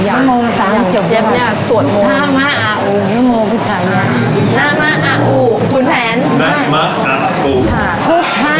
อย่างเจฟเนี้ยสวดโมคุณแผน